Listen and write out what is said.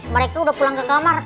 mereka udah pulang ke kamar